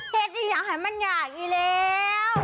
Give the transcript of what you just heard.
เพศคิดอยากใหม่งัดอีกแล้ว